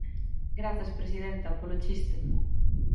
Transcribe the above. Grazas, presidenta, polo chiste.